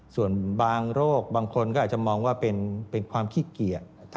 ส่วนบางโรคบางคนก็อาจจะมองว่าเป็นความขี้เกียจ